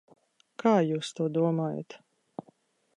Kā jūs to domājat?